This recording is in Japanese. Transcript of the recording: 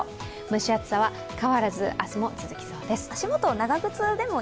蒸し暑さは変わらず、明日も続きそうです。